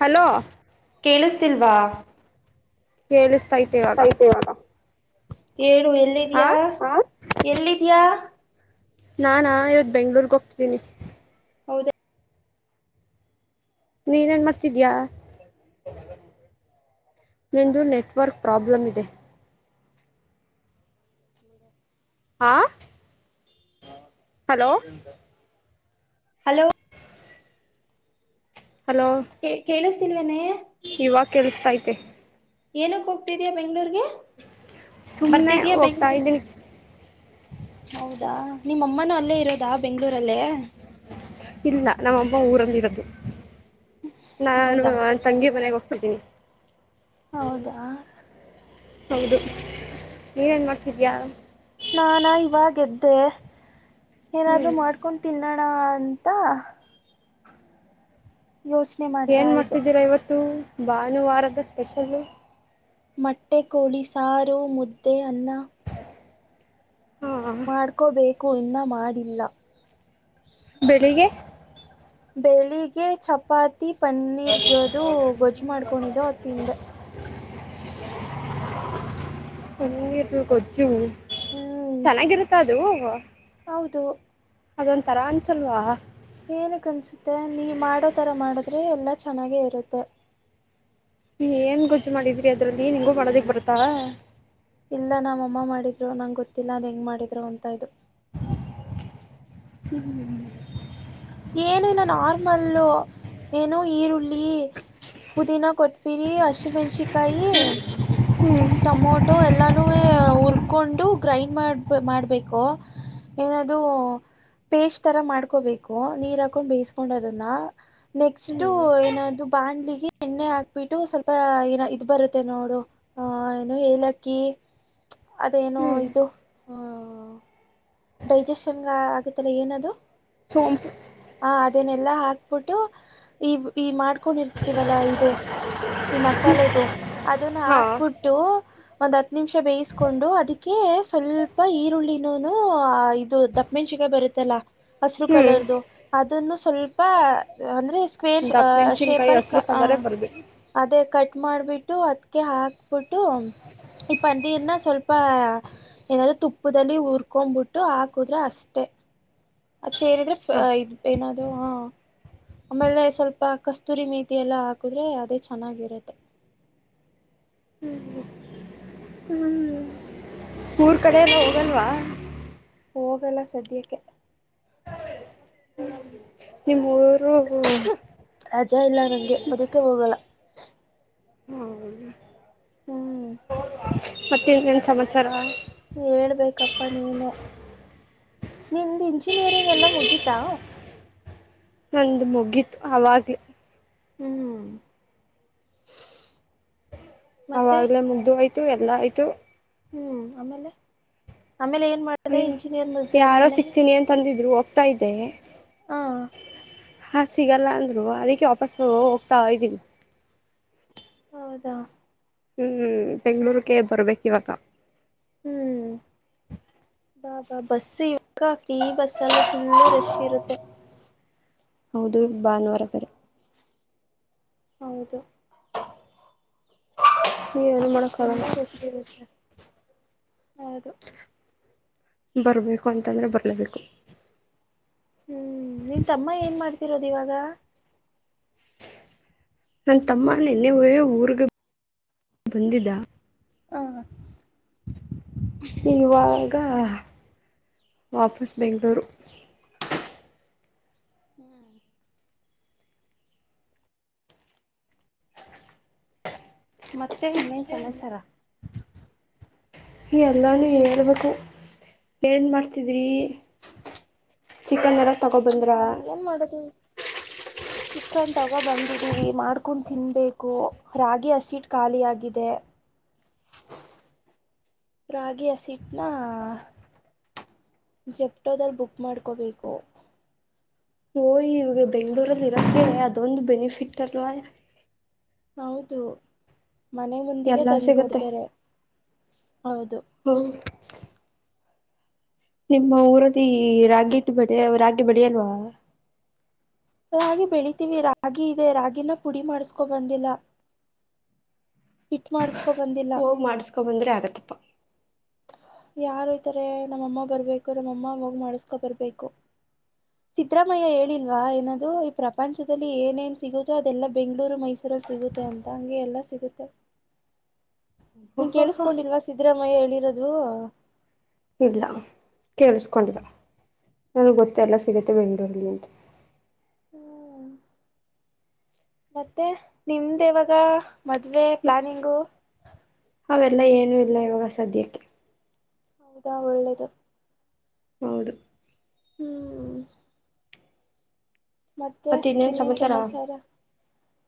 Hello ಕೇಳಿಸ್ತಿಲ್ವಾ ಕೇಳಿಸ್ತಾ ಇತೆವಾಗ ಹೇಳುಎಲ್ಲಿದ್ಯಾಾ ಹ ಎಲ್ಲಿದ್ಯಾ ನಾಾನಾ ಇವತ್ತು ಬೆಂಗ್ಳೂರ್ಗೆ ಹೋಗ್ತಿದ್ದೀನಿ ಹೌದಾ ನೀನೇನ್ ಮಾಡ್ತಿದಯ ನಂದು ನೆಟ್ವರ್ಕ್ ಪ್ರಾಬ್ಲಮ್ ಇದೆ ಹಾ ಹಲೋ ಹಲೋ ಹಲೋ ಕೇಳ ತಿಲ್ವೆನೆ ಇವಾಗ ಕೇಳಿಸತೈತೆ ಏನಕ್ ಹೋಗತಿದಯಾ ಬೆಂಗಳೂರಿಗೆ ಸುಮನೆ ಒಕ್ತ ಬೆಂಗ್ಳೂರ್ಗೆ ಇದೀನಿ ಹೌದಾ ನಿಮ್ಮ ಅಮ್ಮನೂ ಅಲ್ಲೇ ಇರೋದಾ ಬೆಂಗ್ಳೂರಲ್ಲೇ ಇಲ್ಲ ನಮ್ಮೊಬ್ಬ ಊರಲ್ಲಿ ಇರದು, ನಾನು ಹೌದಾ ಅವಳು ತಂಗಿ ಮನೆಗೆ ಹೋಗ್ತಿದ್ದೀನಿ. ಹೌದಾ ಹೌದು ನೀನೇನ್ ಮಾಡ್ತಿದ್ದೀಯಾ, ನಾನಾ ಇವಾಗ ಎದ್ದೆ. ಏನಾದ್ರು ಹ್ಮ್ ಮಾಡ್ಕೊಂಡು ತಿನ್ನೋ ಹ ಅಂತ ಯೋಚನೆ ಮಾಡ್ತಾ ಏನ್ ಇದ್ದೆ ಮಾಡ್ತಿದ್ದೀರಾ ಇವತ್ತು, ಭಾನುವಾರದ ಸ್ಪೆಷಲ್ಲ್. ಮೊಟ್ಟೆ ಕೋಳಿ ಸಾರು ಮುದ್ದೆ ಅನ್ನ. ಹಾ ಮಾಡ್ಕೋಬೇಕು ಕ್ಕು ಇನ್ನ ಮಾಡಿಲ್ಲ, ಬೆಳಿಗ್ಗೆ ಬೆಳಿಗ್ಗೆ ಚಪಾತಿ ತಿ ಪನ್ನೀರ್ಗದು ಗೊಜ್ಜು ಮಾಡ್ಕೊಂಡಿದ್ದೊ ತಿಂದೆ. ಹೆಂಗ್ವಿದ್ವು ಗೊಜ್ಜು, ಹ್ಮ್ ಚೆನ್ನಾಗಿರುತ್ತ ಅ ದುವು ಹೌದು ಅದೊಂತರ ಅನ್ಸಲ್ವಾ, ಏನಕ್ಕನ್ಸುತ್ತೆ ನೀ ಮಾಡೋತರ ಮಾಡಿದ್ರೆ ಎಲ್ಲ ಚೆನ್ನಾಗೇ ಇರುತ್ತೆ. ಏನ್ ಗೊಜ್ಜು ಮಾಡಿದ್ರೀ ಅದ್ರಲ್ಲಿ ನಿಂಗೂ ಮಾಡೋದಿಕ್ ಬರ್ತಾ. ಇಲ್ಲ ನಮ್ಮಮ್ಮ ಮಾಡಿದ್ರು ನಂಗೆ ಗೊತ್ತಿಲ್ಲ ಅದು ಹೆಂಗ್ ಮಾಡಿದ್ರು ಅಂತ ಅದು. ಹುಹೂ ಏನು ಇಲ್ಲ ನಾರ್ಮಲ್ ಏನು ಈರುಳ್ಳಿ ಪುದೀನಾ ಕೊತ್ಂಮಿರಿ ಹಸಿ ಮೆಣ್ಸಿ, ಕಾಯಿ ಹ್ಮ್ ಟೊಮೊಟೋ ಎಲ್ಲಾನುವೇ ಒ ಹುರ್ಕೊಂಡು ಗ್ರೈಂಡ್ ಮಾಡು ಮಾಡ್ಬೇಕು ಏಅದು ಪೇಸ್ಟ್ ತರ ಮಾಡ್ಕೋಬೇಕು. ಕೊ ನೀರ್ ಹಾಕೊಂಡ್ ಬೇಯಿಸ್ಕೊಂಡು ಅದನ್ನ, ನೆಕ್ಸ್ಟ್ ಹ್ಮ್ ಏನದು, ಬಾಂಡ್ಲಿಗೆ ಎಣ್ಣೆ ಹಾಕ್ಬಿಟ್ಟು ಸ್ವಲ್ಪ ಏನ ಇದ್ ಬರುತ್ತೆ ನೋಡು ಅಹ ಏನೋ ಏಲಕ್ಕಿ, ಅದೇನೋ ಹ್ಮ್ ಇದು ಆ ಡೈಜೆಷನ್ ಆಗತ್ತಲ್ಲ ಏನದು, ಸೋಂಪು ಇದನ್ನೆಲ್ಲಾ ಹಾಕ್ಬಿಟ್ಟು ಈ ಈ ಮಾಡ ಕೊಂಡಿರ್ತೀವಲ್ಲಾ ಇದು. ಈ ಮಸಾಲೆದು ಅದನ್ನು ಹಾ ಹಾಕ್ಬಿಟ್ಟು, ಒಂದ್ ಹತ್ ನಿಮಿಷ ಬೇಯಿಸಕೊಂಡು ಅದಕ್ಕೆ ಸ್ವಲ್ಪ ಈರುಳ್ಳಿನೂನು, ಇದು ದಪ್ಪಮೆಣಸಿನಕಾಯಿ ಬರುತ್ತಲ್ಲ ಹಸಿರು ಹ್ಮ್ ಕಲರ್ದು ಅದನ್ನು ಸ್ವಲ್ಪ ಅಂದ್ರೆ ಸು ಸ್ಕ್ವೇರ್ ದಪ್ಪ ಮೆಣಸಿನ್ಕಾಯಿ ಶೇಪಲ್ಲಿ ಹಸ್ರು ಕಲರೇ ಬರದು ಅದೇ ಕಟ್, ಮಾಡ್ಬಿಟ್ಟು ಅದಕ ಹಾಕ್ಬಿಟ್ಟು ಈ ಪಂದೀರ್ನ ಸ್ವಲ್ಪ ಏನಾದೂ ತುಪ್ಪದಲ್ಲಿ ಹುರ ಉರ್ಕೊಂಬುಟ್ಟು ಹಾಕಿದ್ರೆ ಅಷ್ಟೇ ಆ ಚೇರಿದ್ರೆ ಹಾ ಇದ್ ಏನೂ ಹ ಆಮೇಲೆ ಸ್ವಲ್ಪ ಕಸ್ತೂರಿ ಮೆಂತೆ ಎಲ್ಲ ಹಾಕಿದ್ರೆ ಅದೇ ಚೆನ್ನಾಗಿರುತ್ತೆ ಹ್ಮ್ ಊರು ಕಡೆಯಲ್ಲ ಹೋಗಲ್ವಾ ಹೋಗಲ್ಲ ಸದ್ಯಕ್ಕೆ ನಿಮ್ಮ ಊರು ರಜಾ ಇಲ್ಲ ನಂಗೆ ಅದಕ್ಕೆ ಹೋಗಲ್ಲ ಹ್ಮ್ ಮತ್ತ ಇನ್ನೇನ್ ಸಮಾಚಾರ ಹೇಳ್ಬೇಕಪ್ಪಾ ನೀನೇ ನಿನ್ ಇಂಜಿನಿಯರಿಂಗ್ ಎಲ್ಲ ಮುಗಿತಾ ನಂದು ಮುಗಿತು ಅವಾಗ್ಲ ಹ್ಮ್ ಮತ್ತೆ ಅವಾಗ್ಲ ಮುಗು ಆಯ್ತು ಇ ಎಲ್ಲ ಆಯ್ತು ಹ್ಮ್ ಆಮೇಲೆ ಆಮೇಲೆ ಏನ್ ಮಾಡಿದೆ ಅಯ್ಯೋ ಇಂಜಿನಿಯರ್ ಬತ ಆದ್ಮೇಲೆ ಹ್ತಾ ಇದೆ ಹಾ ಹಾ ಸಿಗಲ್ಲ ಅಂದ್ರು ಅದಕ್ಕೆ ವಾಪಸ್ ಹೋಗ್ತಾ ಇದ್ದೀನಿ ಹೌದಾ ಹ್ಮ್ ಬೆಂಗ್ಳೂರ್ಗೆ ಬರ್ಬೇಕ ಇವಾಗ ಹ್ಮ್ ಬಾ ಬಾ ಬಸ್ ಯ ಫ್ರೀ ಬಸ್ ಅಲ್ವಾ ಫುಲ್ಲು ರಶ್ ಇರುತ್ತೆ ಹೌದು ಭಾನುವಾರ ಬೇರೆ ಹೌದು ಏನು ಮಾಡಕ್ಕಾಗಲ್ಲ ತುಂಬಾ ರಶ್ ಇರುತ್ತೆ ಹೌದು ಬರ್ಬೇಕು ಅಂತಂದ್ರೆ ಬರ್ಲಬೇಕು ಹ್ಮ್ ನೀನ್ ತಮ್ಮ ಏನ್ ಮಾಡ್ತಿರೋದು ಇವಾಗ ನನ್ ತಮ್ಮ ನಿನ್ನೆವೇ ಊರ್ಗೆ ಬಂದಿದ್ದ ಹಾ ಇವಾಗ ಈಗ ವಾಪಸ್ ಬೆಂಗಳೂರು ಹ್ಮ್ ಮತ್ತೆ ಇನ್ನೆ ಸಮಾಚಾರ ಎಲ್ಲಾನು ಹೇಳ್ಬೇಕು ಏನ್ ಮಾಡ್ತಿದ್ರಿ ಚಿಕನ್ ರಕ್ ಹ್ಮ್ ಏನ್ ಮಾಡದವಿ ಚಿಕನ್ ತಗೋ ಬಂದಿದ್ದೀವಿ ಮಾಡ್ಕೊಂಡು ತಿನ್ಬೇಕು ರಾಗಿ ಅಸಿಡ್ ಖಾಲಿಯಾಗಿದೆ ರಾಗಿಯ ಸೀಟ್ನ ಜೆಪ್ಟೋದಲ್ ಬುಕ್ ಮಾಡ್ಕೋಬೇಕು ಓಯ್ ಇವಾಗ ಬೆಂಗ್ಳೂರಲ್ಲಿ ಇರೋಕೆ ಅದೊಂದು ಬೆನಿಫಿಟ್ ಅಲ್ವಾ ಹೌದು ಮನೆ ಮುಂದಿಗೆ ಎಲ್ಲ ತಂದುಕ ಸಿಗುತ್ತೆ ಕೊಡ್ತಾರೆ ಹೌದು ಹ ನಿಮ್ಮ ಊರದ ರಾಗಿ ಹಟ್ಟು ಬಳ ರಾಗಿ ಬಳ ಅಲ್ವಾ ರಾಗಿ ಬೆಳಿತೀವಿ ರಾಗಿ ಇದೆ ರಾಗಿಿನ ಪುಡಿ ಮಾಡಸ್ಕೊ ಬಂದಿಲ್ಲ ಹಿಟ್ಟ ಮಾಡಸ್ಕ ಹೋಗ್ ಮಾಡಿಸ್ಕೊಂಡು ಬಂದ್ರೆ ಆಗತ್ತಪ್ಪಾ ಯಾರು ಇದತಾರೆ ನಮ್ಮಅಮ್ಮ ಬರ್ಬೇಕು ನಮ್ಮಮ್ಮ ಹೋಗಿ ಯಾರ್ ವೈತಾರೆ ನಮ್ಮಮ ಬರಬೇಕು ನಮ್ಮಮ ಮಾಡಸ್ಕೊ ಬರ್ಬೇಕು ಸಿದ್ದರಾಮಯ್ಯ ಹೇಳಿಲ್ವಾ ಏನದು ಈ ಪ್ರಪಂಚದಲ್ಲಿ ಏನೇನ್ ಸಿಗುದೊ ಅದೆಲ್ಲಾ ಬೆಂಗ್ಗಳೂರು ಮೈಸೂರ ಸಿಗುತ್ತೆ ಅಂತ ಹಂಗೆ ಎಲ್ಲ ಸಿಗುತ್ತೆ ನಿನ್ ಓಹೋ ಕೇೇಳಿಸಕೊಂಡಿಲ್ವಾ ಸಿದ್ದರಾಮಯ್ಯ ಹೇಳ ಹು ಇಲ್ಲ ಕೇಳಸ್ಕೊಂಡಿಲ್ಲ ನನಗೆ ಗೊತ್ತ ಎಲ್ಲ ಸಿಗುತ್ತವೆ ಬೆಂಗ್ಳೂರ್ಲಿ ಅಂತ ಹ್ ಮತ್ತೆ ನಿಮ್ದು ಯಾವಾಗಾ ಮದುವೆ ಪ್ಲಾನಿಂಗು ಅವೆಲ್ಲ ಏನು ಇಲ್ಲ ಇವಾಗ ಸದ್ಯಕ್ಕೆ ಹೌದಾ ಒಳ್ಳೇದು ಹೌದು ಹೂಂ ಮತ್ತೆ ಇನ್ನೇನ್ ಸಮಾಚಾರ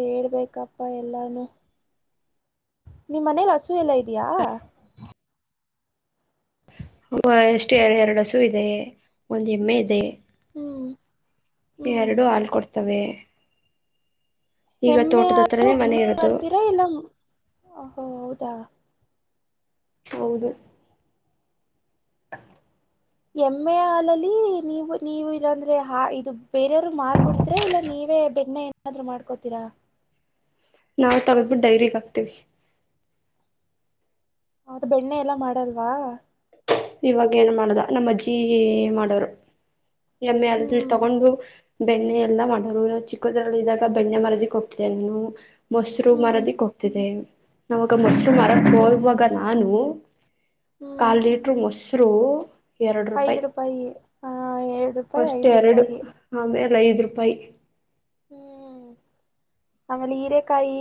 ಹೇಳ್ಬೇಕು ಸಾಕ್ಕಪ್ಪ ಎಲ್ಲಾನು ನಿಮ್ಮ ಮನೇಲಿ ಹಸು ಎಲ್ಲಾ ಇದೆಯಾ ಒಬ್ಬ ಎಷ್ಟು ಎರಡು ಹಸು ಇದೆ ಒಂದ್ ಎಮ್ಮೆ ಇದೆ ಹ್ಮ್ ಹ್ಮ್ ಎರಡು ಹಾಲು ಕೊಡ್ತವೆ ಈಗ ಎಮ್ಮೆ ತೋಟದ ಹಾಲು ಹತ್ರನೇ ಮನೆ ಬೆಣ್ಣೆ ಇರೋದು ಮಾಡ್ತೀರಾ ಇಲ್ಲ ಹೌದಾ ಹೌದು ಹ ಎಮ್ಮೆ ಹಾಲಲ್ಲಿ ನೀವು ನೀವು ಇಲ್ಲಂದ್ರೆ ಹಾ ಇದು ಬೇರೆಯವರು ಮಾರಿ ಬಿಡ್ತಿರಾ ಇಲ್ಲಾ ನಿವೆ ಬೆಣ್ಣೆ ಏನಾದ್ರೂ ಮಾಡ್ಕೋತೀರಾ ನಾವ್ ತಗಿದ್ಬಿಟ್ಟು ಡೈರಿಗೆ ಹಾಕ್ತೇವಿ ಹೌದು ಬೆಣ್ಣೆ ಎಲ್ಲಾ ಮಾಡಲ್ವಾ ಇವಾಗ ಏನ್ ಮಾಡದ ನಮ್ಮ ಅಜ್ಜಿ ಮಾಡೋರು ಎಮ್ಮೆ ಹಾಲು ಹ್ಮ್ ತಗೊಂಡು ಬೆಣ್ಣೆ ಎಲ್ಲಾ ಮಾಡೋರು ಚಿಕ್ಕದರಲ್ಲಿ ಇದಾಗ ಬೆಣ್ಣೆ ಮಾರದಿಕ್ ಹೋಗ್ತಿದ್ದೇ ನು ಮೊಸರು ಹ್ಮ್ ಮಾರದಿಕ್ ಹೋಗ್ತಿದೆ ನಾವು ಅವಗ ಮಸರು ಹ್ಮ್ ಮಾರಕ್ ಹೋಗುವಾಗ ನಾನು ಹ್ಮ್ ಕಲ್ ಲೀಟರ್ ಮೊಸರು ಎರಡು ರೂಪಾಯಿ ಐದ್ ರೂಪಾಯಿಗೆ ಹ ಏರಡು ರೂಪಾಯಿ ಫಸ್ಟ್ ಐದ್ ಎರಡು ರೂಪಾಯಿಗೆ ಆಮೇಲೆ ಐದು ರೂಪಾಯಿ ಆಮೇಲೆ ಈರೆಕಾಯಿ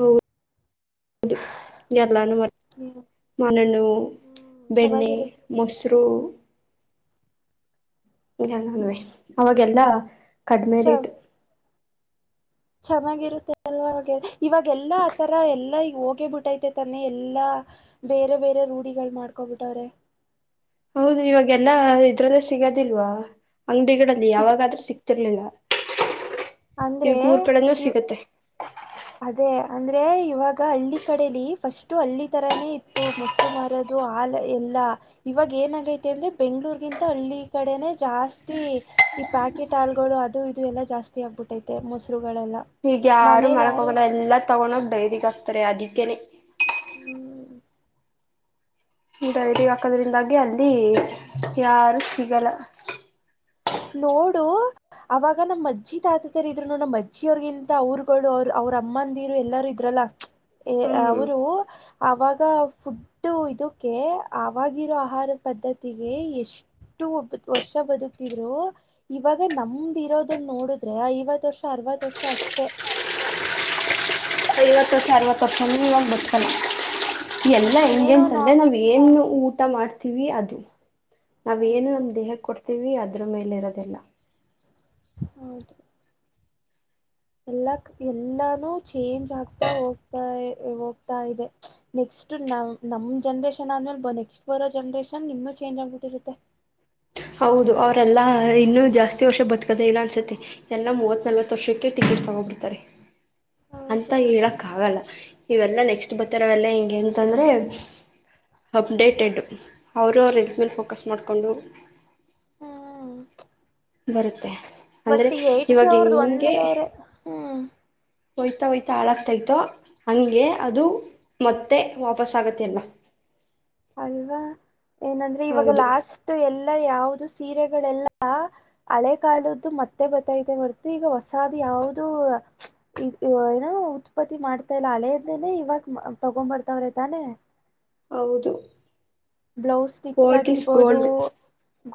ಹೌ ಹೌದು ಎಲ್ಲಾನು ಹ್ಮ್ ಮಾನೆಣ್ಣು ಬೆಣ್ಣೆ ಚೆನ್ನಾಗಿರುತ್ತೆ ಮೊಸರು ತೃ ಇಲ್ಲನ್ವೆ ಅವಾಗೆಲ್ಲ ಕಡಿಮೆರಿಟ್ಟ ಚ ಚೆನ್ನಾಗಿರುತ್ತೆ ಅಲ್ವ ಹಾಗೆ ಇವಾಗ ಎಲ್ಲಾ ಆ ತರ ಎಲ್ಲಾ ಹೋಗೇ ಬಿಟ್ಟೈತೆ ತಾನೆ ಎಲ್ಲಾ ಬೇರೆ ಬೇರೆ ರೂಢಿಗಳು ಮಾಡ್ಕೋಬಿಟ್ಟವ್ರೆ ಹೌದು ಇವಾಗೆಲ್ಲಾ ಇದ್ರಲ್ಲ ಸಿಗೋದಿಲ್ವಾ ಅಂಗಡಿಗಳಲ್ಲಿ ಈಗ ಯಾವಾಗಾದ್ರೂ ಸಿಕ್ತ ಸರ್ಲಿಲ್ಲಾ ಅಂದ್ರೆ ಈಗ ಊರ್ ಕಡೆನ್ನು ಈ ಸಿಗತ್ತೆ ಅದೇ ಅಂದ್ರೆ ಇವಾಗ ಹಳ್ಳಿ ಕಡಲಿ ಫಸ್ಟು ಹಳ್ಳಿ ತರಾನೇ ಇತ್ತು ಮೊಸರು ಮಾರೋದು ಹಾಲ್ ಎಲ್ಲಾ ಇವಾಗ ಏನಾಗೈತೆ ಅಂದ್ರೆ ಬೆಂಗ್ಳೂರ್ಗಿಂತ ಹಳ್ಳಿ ಕಡೆನೆೇ ಜಾಸ್ತಿ ಈ ಪ್ಯಾಕೆಟ್ ಹಾಲುಗಳು ಅದು ಇದು ಎಲ್ಲಾ ಜಾಸ್ತಿ ಆಗ್ಬಿಟ್ಟೈತೆ ಮೊಸರು ಹೀಗೆ ಯಾರು ಮರಕ್ ಹೋಗ ಎಲ್ಲಾ ತಗೊಂಡು ಹೋಗಿ ಡೈರಿಗೆ ಹಾಕ್ತಾರೆ ಅದಕ್ಕೆನೆ ಹ್ಮ್ ಡೈರಿಹಾಕದ್ರಿಂದಾಗಿ ಅಲ್ಲಿ ಯಾರು ಸಿಗಲ್ಲ ನೋಡು ಅವಾಗ ನಮ್ಮ್ ಅಜ್ಜಿ ತಾತ ತರ ಇದ್ರುೋ ನಮ್ಮ ಅಜ್ಜಿಯ ಅವರ್ಗಿಂತ ಅವರುಗಳು ಅವ್ರರು ಅವ್ರ ಅಮ್ಮಂದಿರು ಎಲ್ಲಾರೂ ಇದ್ರಲ್ಲ ಹ್ಮ್ ಅವರು ಅವಾಗ ಫುಡ್ ಇದಕ್ಕೆ ಅವವಾಗಿರೋ ಆಹಾರ ಪದ್ಧತಿಗೆ ಎಷ್ಟು ವರ್ಷ ಬದುಕ್ತಿ ಇರು ಇವಾಗ ನಮ್ದ ಇರೋದನ್ನ ನೋಡಿದ್ರೆ ಐವತ್ ವರ್ಷ ಅರವತ್ ವರ್ಷ ಅಷ್ಟೆ ವತ್ತು ಸವಕಕ್ಷನ ಒಂದು ಬಡ್ಕನ [unintelligible] [inaudible] ಎಲ್ಲ ಇಂಡಿಯನ್ಸ್ ಏನೋನಾ ಅಂದ್ರೆ ನಾವ್ ಏನ್ ಊಟ ಅಂತ ಮಾಡ್ತೀವಿ ಅದು ನಾವ್ ಏನು ಹೌದು ನಮ್ ದೇಹ ಕೊಡ್ತವಿ ವಿ ಅದ್ರ ಮೇಲಿ ಇರೋದಿಲ್ಲ ಹೌದು ಎಲ್ಲ ಎಲ್ಲಾನು ಚೇಂಜ್ ಆಗ್ತಾ ಹೋಗ್ತಾ ಹೋಗ್ತಾ ಇದೆ ನೆಕ್ಸ್ಟ್ ನ ನಮ್ ಜನ್ರೇಷನ್ ಆದಂದ್ಮೇಲೆ ನೆಕ್ಸ್ಟ್ ಬರೋ ಜನ್ರೇಷನ್ ಇನ್ನುೂ ಚೇಂಜ್ ಆಗ್ಬಿಟ್ಟಿರುತ್ತೆ ಹೌದು ಅವ್ರಲ್ಲಾ ಇನ್ನುೂ ಜಾಸ್ತಿ ವರ್ಷ ಬತ್ಕದ ಇಲ್ಲ ಅನ್ಸತ್ತೆ ಎಲ್ಲಾ ಮೂವತ್ ನಲ್ವತ್ ವರ್ಷಕ್ಕೆ ಟಿಕೆಟ್ ತಗೋ್ಬಿಡ್ತಾರೆ ಅಂತ ಹೌದು ಹೇಳಕ್ ಆಗಲ್ಲ ಇವೆಲ್ಲಾ ನೆಕ್ಸ್ಟ್ ಬರ್ತ್ತರವೆಲ್ಲ ಹಗೆಂತಂದರೆ ಅಪ್ಡೇಟೆಡ್ ಅವರು ಅವ್ರ ಇದ್ಮೇಲೆ ಫೋಕಸ್ ಮಾಡಿಕೊಂಡು ಹ್ಮ್ ಬರುತ್ತೆ ಬಟ್ ಅಂದರೆ ಈ ಏಡ್ಸ್ ಇವಾಗ ಅವ್ರ್ದ ಹೆಂಗೆ ಒಂದವ್ರೆ ಹ್ಮ್ ಹೋಯ್ತಾ ಹೊಯ್ತಾ ಹಳಕ್ತೈ್ತ ಹಂಗೆ ಅದು ಮತ್ತೆ ವಾಪಸ್ ಆಗತ್ತ ಅಲ್ಲ ಅಲ್ವಾ ಏನಂದ್ರೆ ಇವಾಗ ಹೌದು ಲಾಸ್ಟ್ ಎಲ್ಲ ಲ್ಲ ಯಾವ್ದ ಸೀರೆಗಳೆಲ್ಲಾ ಹಳೆ ಕಾಲದ್ದು ಮತ್ತೆ ಬತ್ತೈತೆ ಹೊರತು ಈಗ ಹೊಸಾದ ಯಾವ್ದ ಏನೋ ಉತ್ಪತ್ತಿ ಮಾಡ್ತಾ ಇಲ್ಲ ಹಳೆಯೇನೆ ಇವಾಗ ತಗೊ್ ಬರ್ತಾವ್ರೈ್ತಾನೆ ಹೌದು ಬ್ಲೌಸ್ ಸ್ಟಿಚ್ ಓಲ್ಡ್ ಇಸ್ ಆಗಿರ್ಬೋುದು ಗೋಲ್ಡ್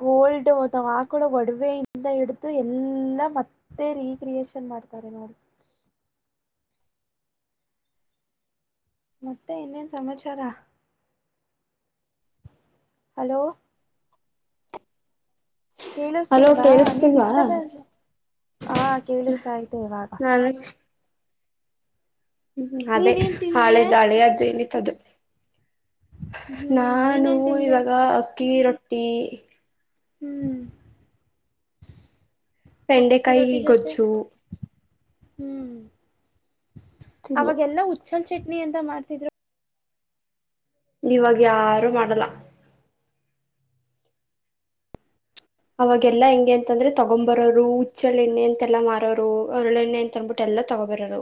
ಗೋಲ್ಡ್ ಅಥ ಅಕೂವ ಒಡವೆೆಯಿಂದ ಹಿಡ್ದು ಎಲ್ಲ ಮತ್ತೆ ರೀಕ್ರಿಯಷನ್ ಮಾಡ್ತಾರೆ ನೋ ಮತ್ತೆ ಇನ್ನೇನ್ ಸಮಾಚಾರ ಹಲೋ ಹಲೋ ಕೇಳಿಸ್ತಿಲ್ವಾ ಕೇಳಿಸ್ತಿಲ್ವಾ ನೀನ್ಿಸ್ತ ಆ ಕೇಳಿಸ್ತಾ ಆ್ತೆ ಇವಾಗ ಹ್ಮ್ ಅದೇ ನೀನೇನ್ ಹಾಳೆ ತಿಂದೆ ದಾಳಿ ಅದು ಇಲ್ಲಿ ಅದು ಹ್ಮ್ ನಾನು ನೀನೇನ್ ತಿಂದೆ ಇವಾಗ ಅಕ್ಕಿ ರೊಟ್ಟಿ ಹ್ಮ್ಮ್. ಹ್ಮ್ ಅಕ್ಕಿ ಬೆಂಡೆಕಾಯಿ ರೊಟ್ಟಿ ಜೊತೆ ಗೊಜ್ಚ್ಚು ಹ್ಮ್ ತಿಂದೆ ಅವಾಗೆಲ್ಲಾ ಹುಚ್ಚಲ್ ಚಟ್ನಿ ಅಂತ ಮಾಡ್ತಿದ್ರು ಇವಾಗ ಯಾರು ಮಾಡಲ್ಲ ಅವಾಗೆಲ್ಲಾ ಹೆಂಗೆ ಅಂತಂದ್ರೆ ತಗೊಂಬರೋರು ಹುಚ್ಚಳೆಣ್ಣೆ ಅಂತೆಲ್ಲಾ ಮಾರೋರು ಅರಳೆಣ್ಣೆ ಅಂತ ಅನ್ಬಿಟ್ಟು ಎಲ್ಲಾ ತಗೊಬರೋರು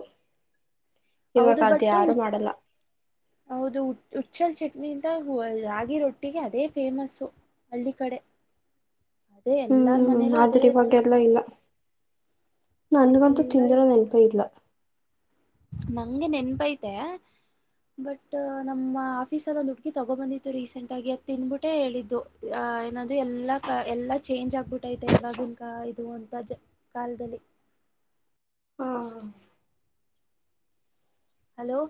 ಹೌದು ಇವಾಗ ಅದ್ ಬಟ್ ಯಾರು ಮಾಡಲ್ಲ ಹೌದು ಹುಚ್ಚಲ್ ಚಟ್ನಿ ಇಂತ ರಾಗಿ ರೊಟ್ಟಿಗೆ ಅದೇ ಫೇಮಸ್ಸು ಹಳ್ಳಿ ಕಡೆ ಅದೇ ಎಲ್ಲಾರ ಹ್ಮ್ ಮನೇಲೂ ಅದೇ ಆದ್ರ ಇರ್ತಿತ್ತು ಇವಾಗೆಲ್ಲ ಇಲ್ಲ ನನ್ಗಂತೂ ಎಲ್ಲಾ ತಿಂದಿರೋ ಇವಾಗ ನೆನ್ಪ ಇಲ್ಲ ನಂಗೆ ನೆನ್ಪೈತೆ ಬಟ್ ನಮ್ಮ ಆಫೀಸಲ್ಲಿ ಒಂದು ಹುಡ್ಗಿ ತಗೋಬಂದಿತ್ತು ರೀಸೆಂಟ್ ಆಗಿ ಅದ ತಿನ್ಬಿಟ್ಟೆ ಹೇಳಿದ್ದು ಅ ಏನಾದೂ ಎಲ್ಲಾ ಎಲ್ಲಾ ಚೇಂಜ್ ಆಗ್ಬಿಟ್ಟೈತೆ ಇವವಾಗಿನ್ ಕ ಇದು ಅಂತ ಕಾಲದಲ್ಲಿ ಹಾ ಹಲೋ